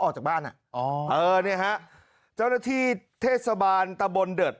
เจ้าหน้าที่เทศบาลตะบ้นเดิด